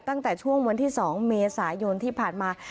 ตั้งแต่ช่วงวันที่๒เมษายนที่ผ่านมา